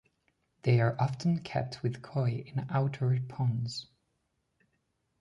They are often kept with koi in outdoor ponds.